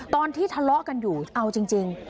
ตอนที่ทะเลาะกันอยู่เอาจริง